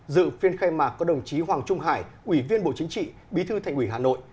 dự phiên khai mạc có đồng chí hoàng trung hải ủy viên bộ chính trị bí thư thành ủy hà nội